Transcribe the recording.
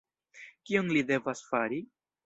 Kion li devas fari?